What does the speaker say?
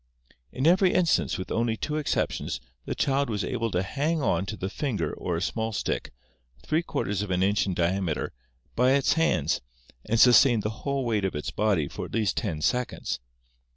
"In every instance, with only two exceptions, the child was able to hang on to the finger or a small stick, three quarters of an inch in diameter, by its hands ... and sustain the whole weight of its body for at least ten seconds.